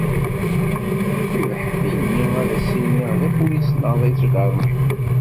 Ibeḥḥet-iyi, ad as-tiniḍ d apulis neɣ d aǧadarmi